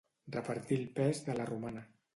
Repartir el pes de la romana.